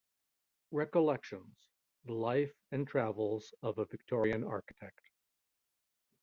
Recollections: the life and travels of a Victorian architect.